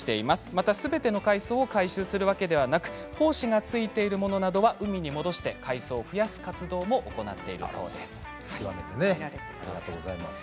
またすべての海藻を回収するわけではなく胞子がついているものなどは海に戻して海藻を増やす活動もありがとうございます。